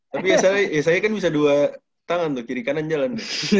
tapi ya saya kan bisa dua tangan tuh kiri kanan jalan